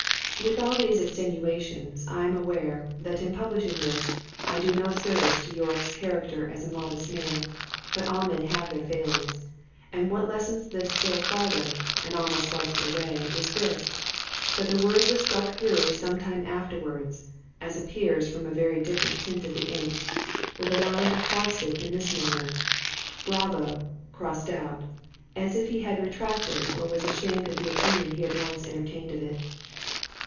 With all these extenuations, I am aware, that in publishing this, I do no service to Yorick's character as a modest man;—but all men have their failings! and what lessens this still farther, and almost wipes it away, is this; that the word was struck through sometime afterwards (as appears from a different tint of the ink) with a line quite across it in this manner, BRAVO——as if he had retracted, or was ashamed of the opinion he had once entertained of it.